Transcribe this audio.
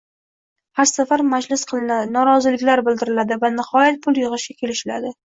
Har safar majlis qilinadi, noroziliklar bildiriladi va nihoyat pul yigʻishga kelishiladi.